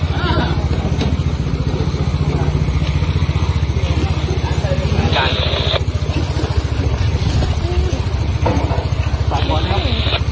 สวัสดีครับ